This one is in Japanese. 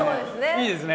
いいですね。